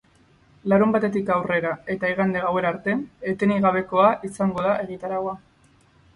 Larunbatetik aurrera, eta igande gauera arte, etenik gabekoa izango da egitaraua.